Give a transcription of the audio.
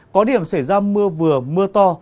có điểm xảy ra mưa vừa mưa to